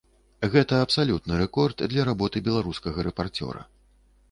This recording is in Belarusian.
Гэта абсалютны рэкорд для работы беларускага рэпарцёра.